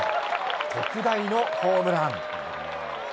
特大のホームラン。